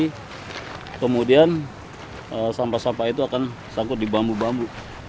jadi kemudian sampah sampah itu akan sangkut di bambu bambu